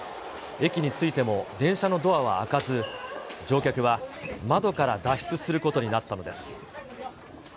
駅に着いても電車のドアは開かず、乗客は窓から脱出することになったのです。